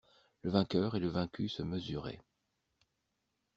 Le vainqueur et le vaincu se mesuraient.